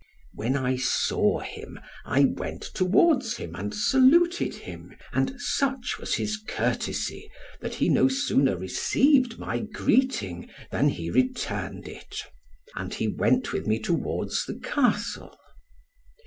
When I saw him, I went towards him and saluted him; and such was his courtesy, that he no sooner received my greeting than he returned it. {18a} And he went with me towards the Castle.